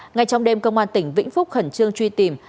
ngay trong đêm công an tỉnh vĩnh phúc khẩn trương truy tìm